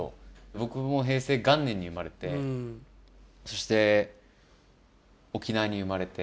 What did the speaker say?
僕も平成元年に生まれてそして沖縄に生まれて。